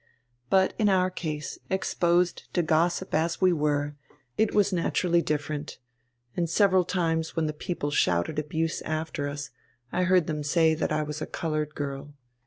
But in our case, exposed to gossip as we were, it was naturally different, and several times when the people shouted abuse after us I heard them say that I was a coloured girl.